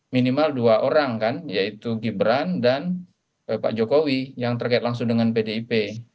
minimal dua orang kan yaitu gibran dan pak jokowi yang terkait langsung dengan pdip